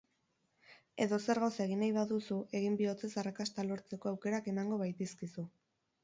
Edozer gauza egin nahi baduzu, egin bihotzez arrakasta lortzeko aukerak emango baitizkizu.